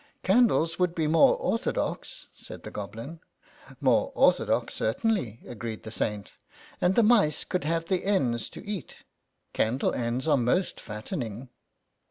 " Candles would be more orthodox," said the Goblin. "More orthodox, certainly," agreed the Saint, " and the mice could have the ends to eat ; candle ends are most fattening."